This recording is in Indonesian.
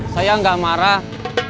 saya gak marah